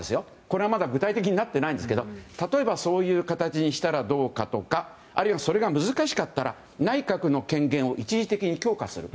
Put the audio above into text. これは、まだ具体的になっていないんですけど例えばそういう形にしたらどうかとかあるいはそれが難しかったら内閣の権限を一時的に強化する。